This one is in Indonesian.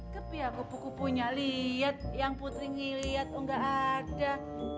tapi ya kupu kupunya lihat yang putri ngelihat oh enggak ada